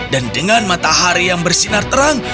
dan dengan matahari yang bersinar terang